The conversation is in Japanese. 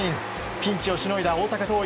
ピンチをしのいだ大阪桐蔭。